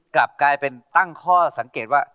กลับกลายเป็นตั้งข้อสังเกตว่า